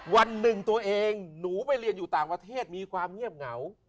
วันหนึ่งตัวเองหนูไปเรียนอยู่ต่างประเทศมีความเงียบเหงา